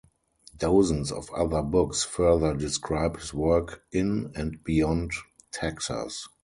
Dozens of other books further describe his work in and beyond Texas.